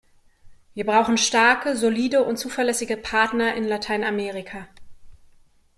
Wir brauchen starke, solide und zuverlässige Partner in Lateinamerika.